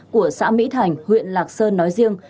của xã mỹ thành huyện lạc sơn nói riêng